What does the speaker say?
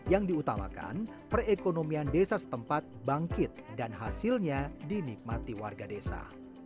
yang diutamakan perekonomian desa setempat bangkit dan hasilnya dinikmati warga desa